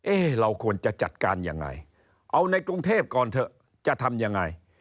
เราควรจะจัดการยังไงเอาในกรุงเทพก่อนเถอะจะทำยังไง